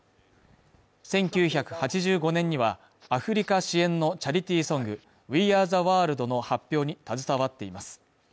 １９８５年にはアフリカ支援のチャリティーソング「ウィ・アー・ザ・ワールド」の発表に携わっています。